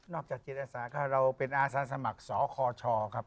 จากจิตอาสาก็เราเป็นอาสาสมัครสคชครับ